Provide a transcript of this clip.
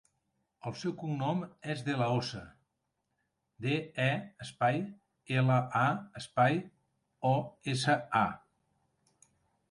El seu cognom és De La Osa: de, e, espai, ela, a, espai, o, essa, a.